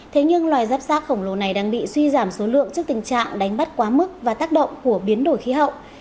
thế nhưng loài dắp sác khổng lồ này đang bị suy giảm số lượng trước tình trạng đánh bắt quá mức và tác động của biến đổi khí hậu